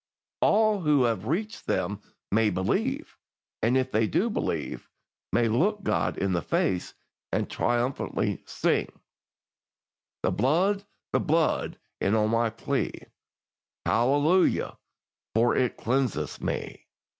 All who have reached them may believe, and if they do believe, may look God in the face, and triumphantly sing: "'The blood, the blood is all my plea, Hallelujah, for it cleanseth me.'"